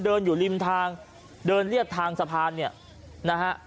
เดินอยู่ริมทางเดินเรียบทางสะพานเนี่ยนะฮะ